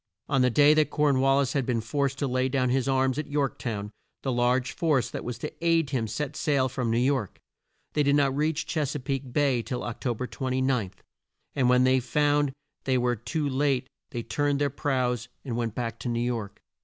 On the day that Corn wal lis had been forced to lay down his arms at York town, the large force that was to aid him set sail from New York. They did not reach Ches a peake Bay till Oc to ber 29, and when they found they were too late they turned their prows and went back to New York.